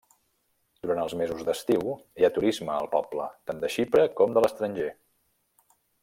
Durant els mesos d'estiu hi ha turisme al poble, tant de Xipre com de l'estranger.